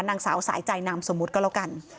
นางสาวสายใจนามสมมุติก็แล้วกัน